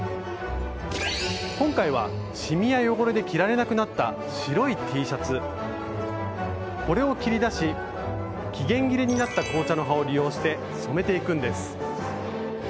今回はシミや汚れで着られなくなったこれを切り出し期限切れになった紅茶の葉を利用して染めていくんです。